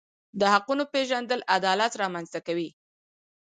د حقونو پیژندل عدالت رامنځته کوي.